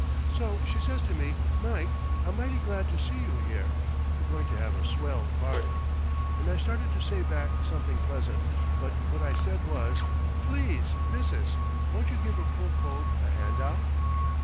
So she says to me, 'Mike, I'm mighty glad to see you here. We're going to have a swell party.' And I started to say back something pleasant, but what I said was, 'Please, missus, won't you give a poor cove a hand out?'"